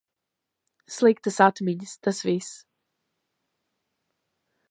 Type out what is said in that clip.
Sliktas atmiņas, tas viss.